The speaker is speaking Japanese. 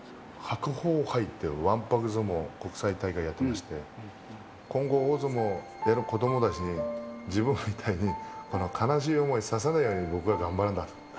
白鵬杯って、わんぱく相撲国際大会をやってまして、今後、大相撲やる子どもたちに、自分みたいに悲しい思いをさせないように僕が頑張るんだと。